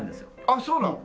あっそうなの？